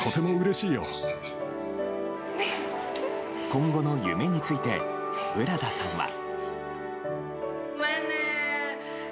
今後の夢についてブラダさんは。